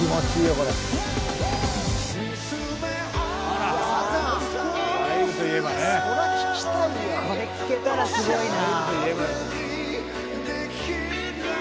これ聴けたらすごいな。